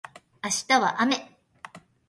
明日は雨